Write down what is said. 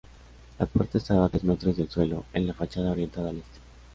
La puerta estaba a tres metros del suelo, en la fachada orientada al Este.